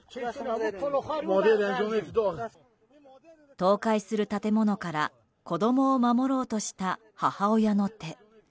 倒壊する建物から子供を守ろうとした母親の手。